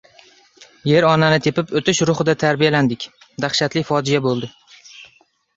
Yer-Onani tepib o‘tish ruhida tarbiyalandik. Dahshatli fojia bo‘ldi.